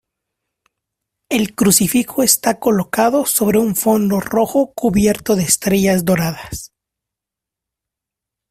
El crucifijo está colocado sobre un fondo rojo cubierto de estrellas doradas.